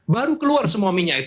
baru keluar semua minyak itu